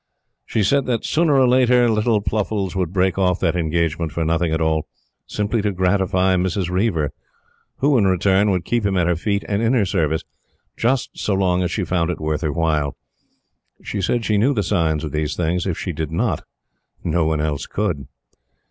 She said that, sooner or later, little Pluffles would break off that engagement for nothing at all simply to gratify Mrs. Reiver, who, in return, would keep him at her feet and in her service just so long as she found it worth her while. She said she knew the signs of these things. If she did not, no one else could.